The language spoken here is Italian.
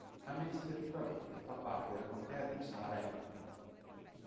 Amministrativamente fa parte della contea di Saaremaa.